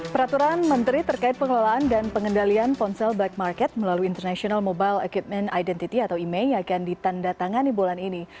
peraturan menteri terkait pengelolaan dan pengendalian ponsel bike market melalui international mobile equipment identity atau imei akan ditanda tangani bulan ini